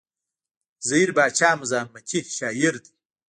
زهير باچا مزاحمتي شاعر دی.